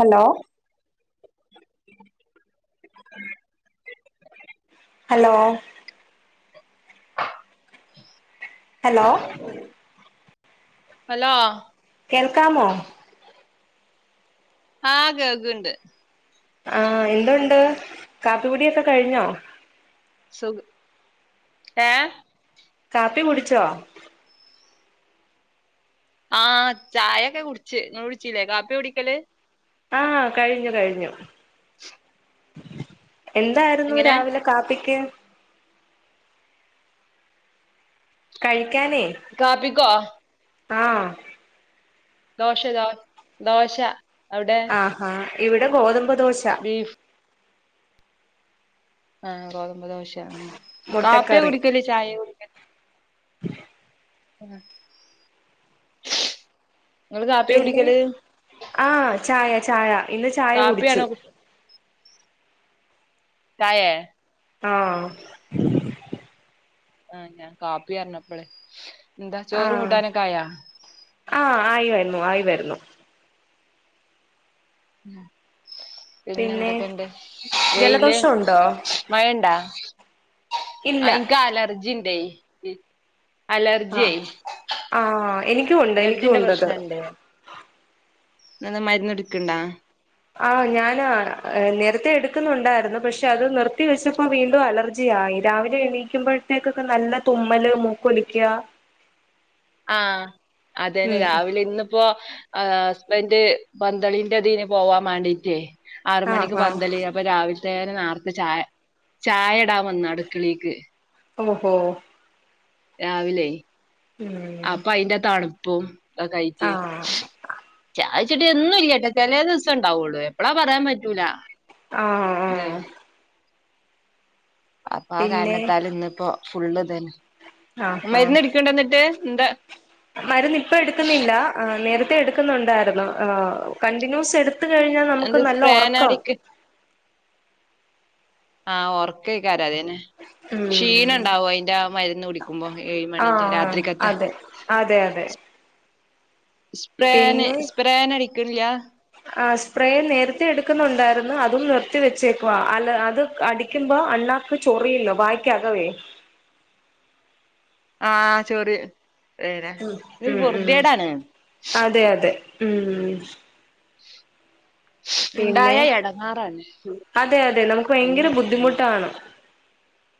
Hello hello [inaudible] hello hello കേൾക്കാമോ? ആഹ് കേൾക്ക്‌ണ്ട് ആഹ് എന്തുണ്ട്? കാപ്പികുടിയൊക്കെ കഴിഞ്ഞോ? സുഖ ഏ? കാപ്പി കുടിച്ചോ? ആഹ് ചായൊക്കെ കുടിച്ച് ഇങ്ങള് കുടിച്ചീലേ കാപ്പിയാ കുടിക്കല്? ആഹ് കഴിഞ്ഞു കഴിഞ്ഞു [unintelligible] [inaudible] എന്തായിരുന്നു എങ്ങനെ രാവിലെ കാപ്പിക്ക്? കഴിക്കാനേ കാപ്പിക്കോ ആഹ് ദോശ ദോ ദോശ അവിടെ ആഹ് ഹാ ഇവിടെ ഗോതമ്പ് ഗോതമ്പുദോശ ബീഫ് ആഹ് ഗോ ഗോതമ്പു ദോശ കാപ്പ്യാ മുട്ടക്കറി കുടിക്കല് ചായെ കുടിക്ക [inaudible] [inaudible] ഞങ്ങള് കാപ്പിയാ പിന്നെ കുടിക്കല്? ആഹ് ചായ ചായ ഇന്ന് ചായ കുടിച്ചു. കാപ്പിയാണോ കു ചായേ? ആഹ് ആഹ് ഞാൻ കാപ്പി പറഞ്ഞപ്പളെ എന്താ ചോറും ആഹ് കൂട്ടാനൊക്കായാ? ആഹ് ആയിവരുന്നു ആയി വരുന്നു. ഉം പിന്നെ എന്തൊക്കെണ്ട്? വെയില് ജലദോഷം ഉണ്ടോ മഴണ്ടാ? ഇല്ല ആഹ് ഇൻക്കലർജിണ്ടേ. അഹ് ആഹ് എനി ക്കും ഉണ്ട് എനിക്കുണ്ടത്. ന്നന്താ മരുന്നുടിക്ക്‌ണ്ടാ? ആഹ് ഞാന് നേരത്തെ എടുക്കുന്നുണ്ടായിരുന്നു. പക്ഷെ അത് നിർത്തി വെച്ചപ്പോ വീണ്ടും അലർജിയായി രാവിലെ എണീക്കുമ്പഴ്ത്തേക്കൊക്കെ നല്ല തുമ്മല് മൂക്കൊലിക്യാ. ആഹ് അതന്നെ രാവിലെ ഇന്നിപ്പോ ആ ഹസ്ബൻഡ് പന്തളിൻ്റെതിന് പോവാൻ മാണ്ടിട്ടേ ആറ് ആഹ് മണിക്ക് ആഹ് പന്തല് അപ്പൊ രാവിലെ തേനാർത്ത് ചായ് ചായ ഇടാൻ വന്നു അടുക്കളിക്ക് ഓഹോ രാവിലെ ഉം അപ്പ അയിന്റെ തണു പോ അ കഴിക്ക് ആഹ് ചാ ച്ചിട്ട് എന്നും ഇല്ലാട്ട ചെലേ ദിവസേ ഇണ്ടാവുള്ളൂ എപ്പഴാ പറയാൻ പറ്റൂല. ആഹ് ഇത് ആഹ് അപ്പൊ ആ പിന്നെ കാരണത്താൽ ഇന്നിപ്പോ ഫുള്ള് ഇതന്നെ ആഹ് ആഹ് മരുന്ന് അടിക്കണ്ടന്നിട്ട് എന്താ എടുക്കുന്നുണ്ടാരുന്നു ഹ് കണ്ടിന്യൂസ് എടുക് ത് കഴിഞ്ഞാ നമുക്ക് എന്ത് നല്ല സ്പ്രേനാ ഒറക്കാവും. അടിക്ക് ആഹ് ഒറക്കേക്കാര അതന്നെ ഉം ക്ഷീണണ്ടാവോ അതിന്റെ ആ മരു ആഹ് അതെ അതെ അതെ സ്പ്രേന് പിന്നെ സ്പ്രേന് അടിക്കണില്ല ആഹ് സ്പ്രേ നേരത്തെ എടുക്കുന്നുണ്ടായിരുന്ന് അതും നിർ ത്തി വെച്ചേക്കുവാ അല് അത് അടിക്കുമ്പോ അണ്ണാക്ക് ചൊറിയില്ലോ വായ്ക്കകവേ ആഹ് ചൊറി ഉം-ഉം അതെ-അതെ ഉം ഉം പിന്നെ, ഉണ്ടായ എടങ്ങാറാണ് അതെ-അതെ നമുക്ക് ഭയങ്കര അന്ന് ബുദ്ധിമുട്ടാണ്.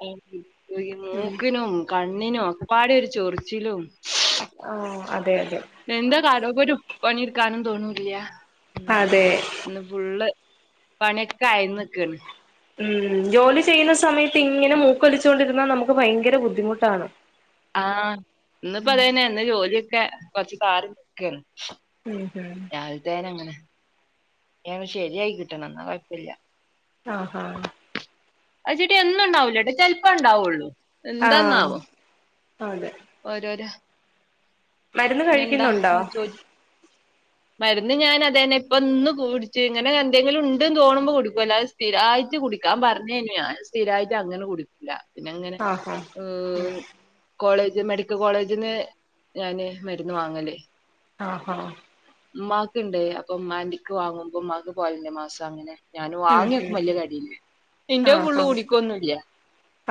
താങ്ക്യൂ. [unintelligible] മൂക്കിനും. കണ്ണിനും ഒക്കപ്പാടെ ഒരു ചൊറിച്ചിലും. ആ അതെ അതെ എന്താ കാരോപൊരും പണിയെടുക്കാനും തോന്നുല- പിന്നെ അതെ ഇന്ന് ഫുള്ള് പണിയൊക്കെ ആയിന് നിക്കണ് ഉം ജോലി ചെയ്യുന്ന സമയം ത്തിങ്ങനെ മൂക്കൊലിച്ചോണ്ടി ന്ന നമുക്ക് ഭയങ്കര ബുദ്ധിമുട്ടാണ് ആഹ് ഇന്നിപ്പ അദേന്ന ഇന്ന് ജോലി ക്ക കൊറച്ച് താറിനിക്കേണ് ഉം ഉം രാവിലെത്തേന അങ്ങനെ ഇനിയത് ശരിയായി കിട്ടണം എന്ന കൊഴപ്പില്ല- ആ ഹാ അത് ചിട്ടി എന്നും ഉണ്ടാവില്ലേട്ടാ ചെലപ്പം ഉണ്ടാവുള്ളൂ ആ എന്താന്നാവും അതെ ഓരോര മരുന്ന് കഴിക്കുന്നുണ്ടോ? ചോ- മരുന്ന് ഞാൻ അതന്നെ ഇപ്പ ഇന്ന് കുടിച്ചു ഇങ്ങനെ എന്തെങ്കിലും ഉണ്ട് ന്ന് തോന്നുമ്പോ കുടിക്കും അല്ലാദേ സ്ഥിരമായിട്ട് കുടിക്കാൻ പറഞ്ഞയാ ഞാൻ സ്ഥിരമായിട്ട് അങ്ങനെ കുടുക്കൂല- പിന്നെ അങ്ങനെ ആഹാ ഓയി കോളേജ് മെഡിക്കൽ കോളേജ്ന്ന് ഞാന് മരുന്ന് വാങ്ങല്- ആ ഹാ ഉമ്മാക്ക്ണ്ട് അപ്പം മ്മാക്ക് വാങ്ങുമ്പോ ഉമമാക്ക് പോയലേ മാസം അങ്ങനെ ഞാൻ ഉം വാങ്ങിയക്കും ഉം വല്യ കാര്യ ഇന്റെ ഫള്ള് ആഹാ കുടിക്കൊന്നുംല്ല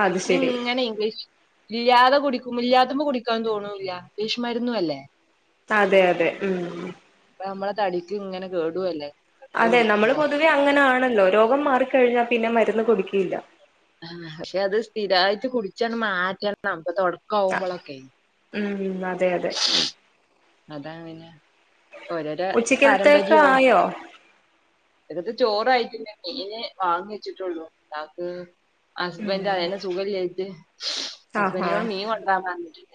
അത് ശരി ഇങ്ങനെ ഇംഗ്ലീഷ്- ഇല്ലാതെ കുടിക്കും ഇല്ലാത്തുമ്പോ കുടിക്കാന്ന് തോന്നൂല്ല ഇംഗ്ലീഷ്മരു രുന്നു അല്ലേ അതെ അതെ ഉം അപ്പൊ നമ്മളെ തടിക്ക് ഇങ്ങനെ കേടും അല്ലേ അതെ നമ്മൾ പൊതുവെ അങ്ങനാണല്ലോ രോഗം മാറിക്കഴിഞ്ഞാൽ പിന്നെ മരു ന്നു കുടിക്കില്ല- ആ പക്ഷെ അത് സ്ഥിരായിട്ട് കുടിച്ചാണ് മാറ്റണം തൊട ആ ക്കൊആവുമ്പോളൊക്കെ ഉം അതെ അതെ അതാ അങ്ങനെ ഉച്ചക്കലത്തേക്ക് ആയോ? ഉച്ചകതേക്ക് ചോറായിട്ടില്ല മീന് വാങ്ങി വെച്ചിട്ടുള്ളൂ താക്ക് ഹസ്ബൻഡയാണ് ഉം അയിന് സുഖല്ലയിട്ട് ആഹാ ഹസ്ബൻറിനോട് മീൻ കൊണ്ടാരൻ പറഞ്ഞിട്ടുണ്ട്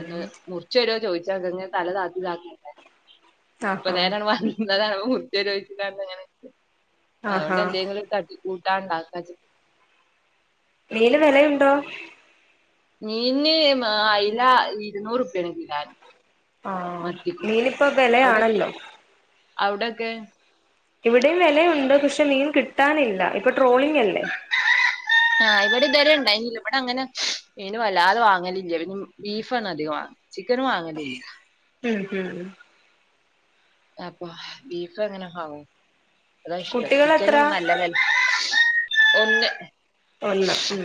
ഒന്ന് മുറിച്ചരോ ചോദിച്ച് ങ്ങനെ തലതായ്ത്തി തത്തി വീട്ടെ ആഹാ പ്പന്നേരെ വന്നതാണ് [unintelligible] [unintelligible] അങ്ങനെ അതോണ്ട് ആഹാ എന്തെങ്കിലും തട്ടി കൂ ട്ടാൻ ഇണ്ടാക്ക വെച്ചിട്ട്. മീന് വെലയുണ്ടോ? മീന് മ അയല ഇരുന്നൂറ്പ്യാണ് കിലോന്. ആ മത്തിക്കും മീനിപ്പോ അവിടെ വെലയാണല്ലോ. അവിടൊക്കെ ഇവിടെയും വെലയുണ്ട്, പക്ഷേ മീൻ കിട്ടാനില്ല, ഇപ്പ ആ ഇവിടെ ഇതുവരെ കഴിഞ്ഞില്ല, ഇവടെ അങ്ങനെ മീന് വല്ലാതെ വാങ്ങലില്ല, പിന്നെ ബീഫാണധികവും വാങ്ങാ ചിക്കനും വാങ്ങലില്ല. മ് മ് അപ്പ ബീഫ് എങ്ങനെ വാങ്ങും? അതാ ഇഷ്ടം, കുട്ടികളെത്ര ചിക്കനും നല്ലതല് ഒന്ന്. ഒന്ന് മ്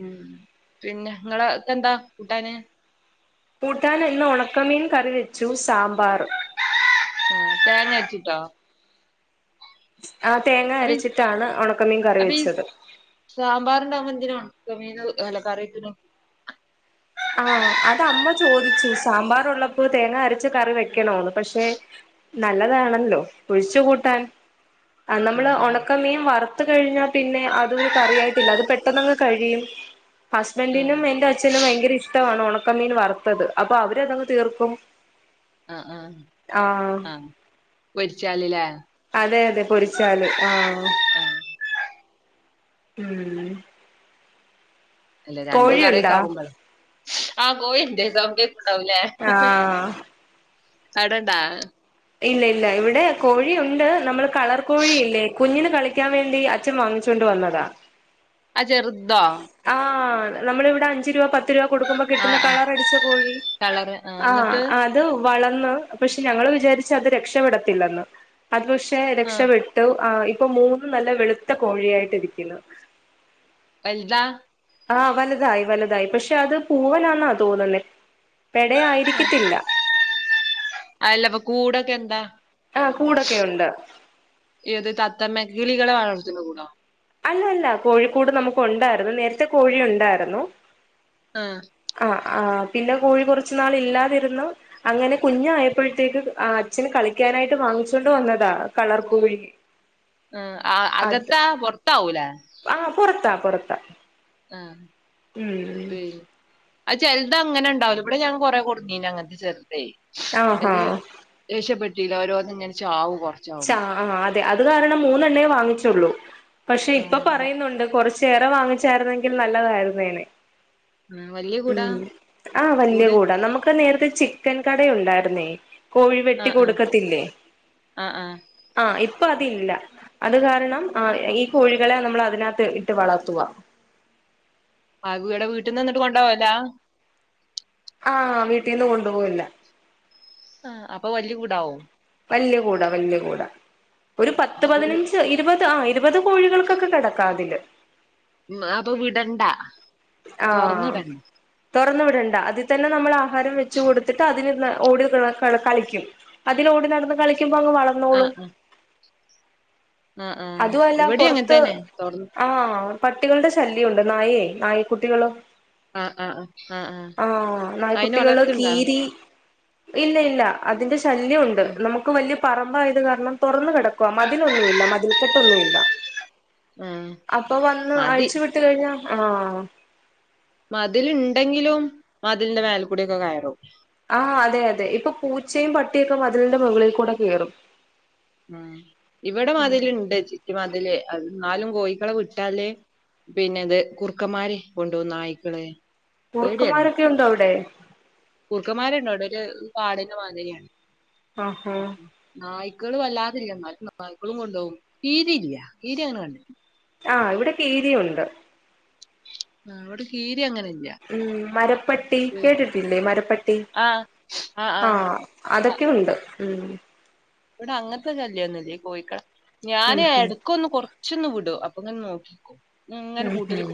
ഉം പിന്നെ നിങ്ങളക്കെ എന്താ കൂട്ടാന്? കൂട്ടാൻ ഇന്ന് ഒണക്കമീൻ കറി വെച്ചു, സാമ് ആ തേങ്ങ അരച്ചിട്ടോ? ആ തേങ്ങ അപ്പൊ ഈ അരച്ചിട്ടാണ് ഒണക്കമീൻ കറി വെച്ചത്. ഒണക്കമീന് അല്ല കറി വെയ്ക്കാണോ ആ അത് അമ്മ ചോദിച്ചു സാമ്പാറുള്ളപ്പോ തേങ്ങ അരച്ചു കറി വെക്കണോന്ന് പക്ഷെ നല്ലതാണല്ലോ ഒഴിച്ചു കൂട്ടാൻ. ആ നമ്മള് ഒണക്കമീൻ വറ കഴിഞ്ഞാ പിന്നെ അതൊരു കറിയായിട്ടില്ല അത് പെട്ടെന്നങ്ങ് കഴിയും. ഹസ്ബൻറ്റിനും ആഹ് എന്റെ അച്ഛനും ഭയങ്കര ഇഷ്ട ട്ടാവാണ് ഒണക്കമീൻ വറത്തത് അപ്പൊ അവരതങ്ങ് തീർക്കും. ആ ആ ആഹ് ആ പൊരിച്ചാലില്ലേ? അതെ അതെ പൊരിച്ചാല്. ആ ആഹ് ഉം അല്ലെ രണ്ട് കറിയൊക്കെ കോഴിയുണ്ടാ ആവുമ്പോളെ? ആഹ് കോഴിയിണ്ട് അവ ഇണ്ടവുല്ലേ ആഹ് അവിടുണ്ടാ? ഇല്ല ഇല്ല ഇവിടെ കോഴിയുണ്ട്. നമ്മള് കളർ കോഴിയില്ലേ കുഞ്ഞിന് കളി ക്കാൻ വേണ്ടി അച്ഛൻ വാങ്ങിച്ചൊണ്ട് വന്നതാ. ആ ചെറുതോ? ആ നമ്മളിവിടെ അഞ്ച് രൂപ പത്ത് പത്ത് രൂപ കൊടുക്കുമ്പോ കിട്ടുന്ന ആഹ് ആഹ് കളർ അടിച്ച കോഴി. കളറ് ആഹ് എന്നിട്ട് വളർന്ന് പക്ഷെ ഞങ്ങള് വിചാരിച്ച് ച്ച് അത് രക്ഷപ്പെടത്തില്ലെന്ന്. അത് പക്ഷേ ആഹ് രക്ഷപ്പെട്ടു. ആ ഇ ഇപ്പൊ മൂന്ന് നല്ല വെളുത്ത കോഴിയായിട്ട് ഇരിക്കുന്നു. വലുതാ? ആ വല്തായി വലതായി പക്ഷെ അത് പൂവൻ ആന്ന തോന്നുന്നെ പെടയായിരിക്കത്തില്ല അല്ലപ്പൊ കൂട കന്തെ ആ കൂടൊക്കെ ഉണ്ട് [unintelligible] വളർത്ത്ണ കൂടാ അല്ല അല്ല കോഴിക്കൂട് നമുക്ക് ഉണ്ടായിരുന്നു നേരത്തെ കോഴി ഉണ്ടായിരുന്നു ആ ആ പിന്നെ കോഴി കുറച്ചു നാൾ ഇല്ലാതിരുന്നു അങ്ങനെ കുഞ്ഞാ യപ്പോഴത്തേക്ക് ആ അച്ഛന് കളിക്കാനായിട്ട് വാങ്ങിച്ചൊണ്ട് വന്നതാ കളർ കോഴി ആ അ അത് അകത്താ പൊർത്താവൂലേ കൊടുത്ത ആ ഉം അത് ചെൽതങ്ങനെണ്ടാവും വടെ ഞാൻ കെറേ കൊട്ന്നീനങ്ങൻത്തെ ചെർതേ ആഹാ അത് രക്ഷപ്പെട്ട് ഇതോരോന്ന് ഇങ്ങനെ ചാവും ചാ കൊറച്ചാവുമ്പോ ആ അ തെ അത് കാരണം മൂന്നണ്ണേ വാങ്ങിച്ചുള്ളൂ പക്ഷെ ഇപ്പൊ ആഹ് പറയുന്നുണ്ട് കൊറച്ച് കേര വാങ്ങിച്ചായിരുന്നെങ്കിൽ നല്ലതായിരുന്നേനേ ഉം വല്യ കൂടാ ഉം ആ വല്യ കൂട് കൂടാ നമുക്ക് നേര ചിക്കൻ കട ഒണ്ടാരുന്നേ കോഴി വെട്ടി ആഹ് ആഹ് കൊടുക്കത്തില്ലേ. ആഹ് ആഹ് ആ ഇപ്പൊ അതില്ല. അത് കാരണം ആ ഈ കോഴികളെ നമ്മൾ അതിനകത്ത് ഇട്ട് വളർത്തുവാ. ആഗുവട വീട്ടിന്ന് വന്ന്ട്ട് കൊണ്ടോവലാ. ആ വീട്ടിന്ന് കൊണ്ടുപോവൽല്ല. ആ അപ്പൊ വലിയ കൂടാവും. വല്ല്യ കൂടാ വല്ല്യ കൂടാ ഒരു പത്ത് വീ- പതിനഞ്ച് ഇരുപത് ആ യി രുപത് കോഴികൾക്കൊക്കെ കെടക്കാ അതില്. ഉം അപ്പൊ വിടണ്ട. തൊർന്ന്ടണ്ട. ർന്ന് വിടണ്ട. അതിതന്നെ നമ്മളാ ഹാരം വെച്ച് കൊടുത്തിട്ട് അതിൽ നിന്ന് ഓടി [unintelligible] കളിക്കും അതിൽ ഓടി നടന്ന് കളി ക്കുമ്പങ്ങ് വളർന്നോളും. ആ ആ അതുമല്ല ഇവടി പുറത്ത് അങ്ങൻത്തന്നെ. തൊർന്ന് ആഹ് പട്ടികളുടെ ശല്യുണ്ട് നായേ നായ കുട്ടികൾ ആഹ് ആഹ് ആഹ് ആഹ് ആഹ് അയിനെ നായ്ക്കുട്ടികള് വളർത്തിണ്ടോ? കീരി ഇല്ല ഇല്ല അതിന്റെ ശ ശല്യുണ്ട് നമുക്ക് വലിയ പറമ്പായത് കാരണം തുറന്ന് കിടക്ക ക്കുവ മതിൽ ഒന്നുമില്ല മതിൽ കത്തൊന്നുമില്ല ഉം അപ്പോ വന്ന് മതി അഴിച്ചുവിട്ടു കഴിഞ്ഞാൽ ആഹ് മതിലിണ്ടെങ്കിലും മതിലിന്റെ മേൽ കൂടിയൊക്കെ കയറും ആഹ് അതെ അതെ ഇപ്പൊ പൂച്ചയും പട്ടിയൊക്കെ മതിലിന്റെ മുകളിൽ കൂടെ കെറും ഉം ഇവിടെ മതിൽുണ്ട് ചിറ്റി മതിൽ അ എന്നാലും കോഴക്കളെ വിട്ടാല് പിന്നെ ഇത് കുർുക്കന്മാര് കൊണ്ട് പോകും നായിക്കള് ഏടയാണ് കുറുക്കന്മാരൊക്കെ ഉണ്ടോ അവിടെ കുർക്കന്മാരണ്ടോ അവിടെ ഒരു [unintelligible] മാതുരിയാണ് ആഹാ നായി അല്ലാതില്ല എന്നാലും നായിക്കൾ കൊണ്ടുപോകും കീരി ഇല്ല കീരി അങ്ങനെ കണ്ടില്ല ആഹ് ഇവിടെൊക്കെ കീരിയുണ്ട് ആ അവിടെ കീരി അങ്ങനെ ഇല്ല ഉം മരപ്പട്ടി കേട്ടിട്ടില്ലേ മരപ്പട്ടി ആഹ് ആഹ് ആഹ ആഹ് അതൊക്കെ ഉണ്ട് ഉം ഇവിടെ അങ്ങനത്തെ ശല്യന്നില്ല കോഴിക്കളെ ഉം ഞാന് ഉം എടക്കൊന്ന് കൊർ ച്ചന്ന് വിടോ അപ്പൊ തന്നെ നോക്കിക്കോ ഉം ഹം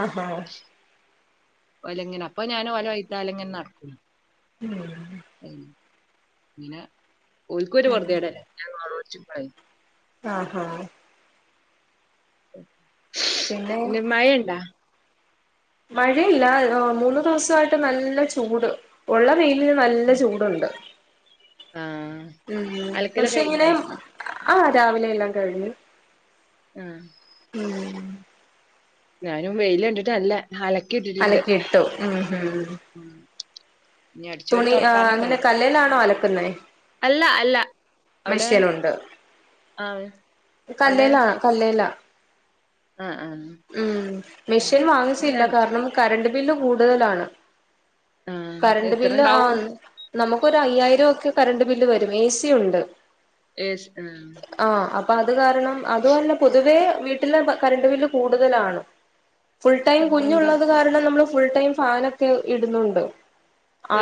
ആഹഹ ഒലങ്ങനെ അപ്പൊ ഞാൻ ഓല വൈത്താലെങ്ങനെ നടക്കും ഉം ഇന ഒരിക്കൊരു പൊറുതേടന്നെല്ലെ ച്ചിപ്പായി ആഹഹ ഉ പിന്നെ മയണ്ട മഴയില്ല മൂന്ന്ദിവസായിട്ട് നല്ല ചൂട് ഉള്ള വെയിലിന് നല്ല ചൂടുണ്ട് ആഹ് ഉ പക്ഷെ അലക്കലൊക്കെ ഇങ്ങനെ കഴിഞ്ഞാ ആഹ രാവിലെ എല്ലാം കഴിഞ്ഞു ഉം ഉം ഞാനും വെയില് കണ്ടിട്ട അല്ല അലക്കിട്ടു ഉം ഉം ഇനി അടിച്ചോരി തുണി ആ തൊടക്കാനൊക്കെ ഇണ്ട് അങ്ങനെ കല്ലലാണോ അലക് അല്ല അല്ല. [unintelligible] അവിടെ മിഷൻ ഉണ്ട് ആഹ് അവിടെ കല്ലേലാ കല്ലല്ല ആഹ് ആഹ്. ഉം മെഷീൻ ര വാങ്ങിച്ചില്ല കാരണം കറണ്ട് ില് കൂടുതലാണ് ആഹ് കറണ്ട് ല്ല എത്രണ്ടാവും? ആൺ നമുക്കൊ അയ്യായിരം ഒക്കെ കറണ്ട് ബില്ല് വരും ഏ സി ഉണ്ട് എ. സി പത് കാരണം അതുന്നെ പൊതുവേ വീട്ടിലെ കറണ്ട് ബില് കൂടുതലാണ് ഫുൾ ടൈം ആഹ് എന്താ കുഞ്ഞുള്ളത് കാരണം നമ്മൾ ഫുൾ ടൈം ഫാനൊക്കെ ഇടുന്നുണ്ട്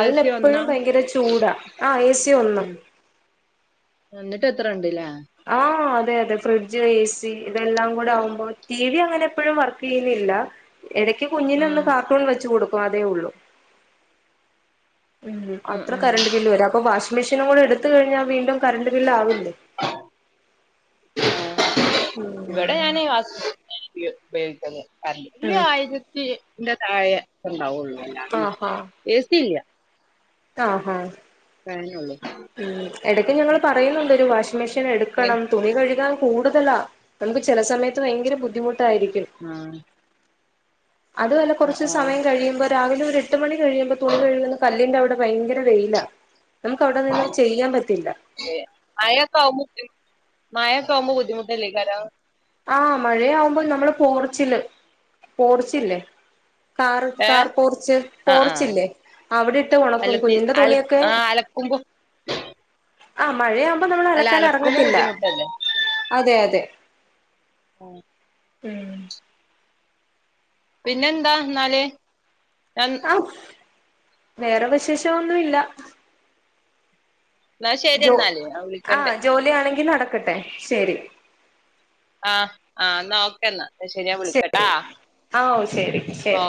ഏ സി ഒന്നാ? ഭയങ്കര ചൂടാ ആഹ് ഏസി ഒന്ന് എത്ര ഇണ്ട്ല്ലേ ആഹ് അതെ അതെ ഫ്രിഡ്ജ് എ സി ഇതെല്ലാം കൂടെ ആവുമ്പോൾ ടി വി അങ്ങനെ എപ്പോഴും വർക്ക് യ്യലില്ല ഇടയ്ക്ക് കുഞ്ഞിനൊന്ന് ഒ ആഹ് കാർട്ടൂൺ വെച്ച് കൊടു വാതേ ഉള്ളൂ ഉം ആഹ് അത്ര ആഹ്. കറണ്ട് ബില്ല് വരു അപ്പ വാശ് മെഷീനു കൂടെ എടുത്ത് കഴിഞ്ഞാൽ വീണ്ടും കറണ്ട്റ് ബില് ആവില്ലേ ഉം ഇവിടെ ഞാനേ വാ [unintelligible] ഉം [unintelligible] താഴെ ക്കെ ണ്ടാവൊള്ളൂ എ സി ഇല്ല ആഹ് ഹ ഫാനൊള്ളൂ ഉം എടക്ക് ഞങ്ങള് പറയുന്നുണ്ട് ഒരു വാഷി മിഷൻ ഇങ്ങനെ എടുക്കണം തുണി കഴുകാൻ കൂടുതലാ നമുക്ക് ചെല സമയത്ത് ഭയങ്കര ബുദ്ധിമു ട്ടായിരിക്കും ആഹ് അതൊല്ല കൊർച്ച് ആഹ് സമയം കഴിയുമ്പോ രാവിലെ ഒരു എട്ട് മണി കഴിയുമ്പം തുണി കഴുകുന്ന കല്ല്ന്റെ അവിടെ ഭയങ്ക ര വെയിലാ നമുക്ക് അവിടെ നിന്നും ചെയ്യാൻ പറ്റില്ല മഴെക്കാവുമ്പോ ബുദ്ധിമുട്ടല്ലേക്കാരം ആ മഴയാവുമ്പോൾ നമ്മള് പോർച്ചില് പോർച്ചില്ലേ- കാർ കാർ ഏഹ് പോർച്ച് ആഹ് ആഹ് പോർച്ചില്ലേ അവിടെ ഇട്ട് ഒണക്കും അലത്തി കുഞ്ഞിന്റെ അല തുണിയൊക്കെ ആഹ് അലക്കുമ്പോ ആ മഴയാവും അപ്പം നമ്മൾ അല്ല അലക്കാൻ അലക്കുമ്പോ എറങ്ങത്തില്ല ബുദ്ധിമുട്ടല്ലേ അതെ അതെ ഉം ഉം പിന്നെ എന്താ ഇന്നാല് [unintelligible] വേറെ വിശേഷം ഒന്നും ഇല്ല എന്നാ ശരി ജോ എന്നാല് ഞാൻ ആഹ വിളിക്കണ്ട് ജോലിയാണെങ്കി നടക്കട്ടെ ശെരി ആ ആ എന്നാ ഓക്കെ ന്നാ ശരി ആ ഓ ശരി ഓ ശരി